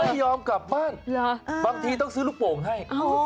ยอมกลับบ้านบางทีต้องซื้อลูกโป่งให้